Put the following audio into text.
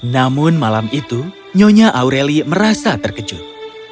namun malam itu nyonya aureli merasa terkejut